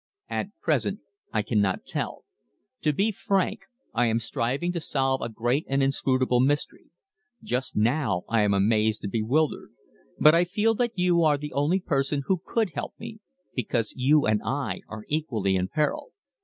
"At present I cannot tell. To be frank, I am striving to solve a great and inscrutable mystery. Just now I am amazed and bewildered. But I feel that you are the only person who could help me because you and I are equally in peril."